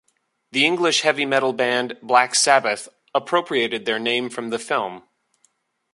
The English heavy metal band Black Sabbath appropriated their name from the film.